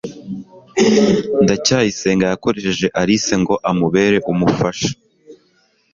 ndacyayisenga yakoresheje alice ngo amubere umufasha